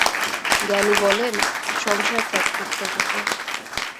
জ্ঞানী বলেন, সংসার ত্যাগ করতে হবে।